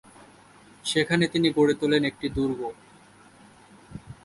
সেখানে তিনি গড়ে তোলেন একটি দুর্গ।